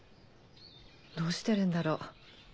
どうしてるんだろう？